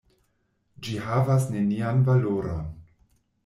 Ĝi havas nenian valoron.